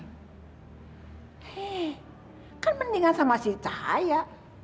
hei kan mendingan sama si cahaya